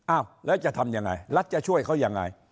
อ้าวแล้วจะทำยังไงรัฐจะช่วยเขายังไง